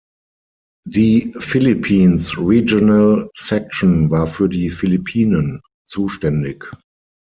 Die "Philippines Regional Section" war für die Philippinen zuständig.